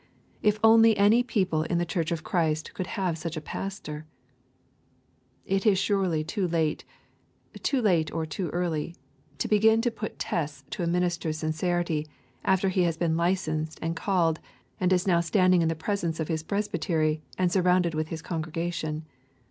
if only any people in the Church of Christ could have such a pastor. It is surely too late, too late or too early, to begin to put tests to a minister's sincerity after he has been licensed and called and is now standing in the presence of his presbytery and surrounded with his congregation.